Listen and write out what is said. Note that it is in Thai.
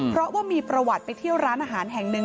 เพราะว่ามีประวัติไปเที่ยวร้านอาหารแห่งหนึ่ง